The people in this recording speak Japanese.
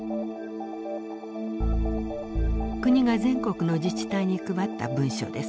国が全国の自治体に配った文書です。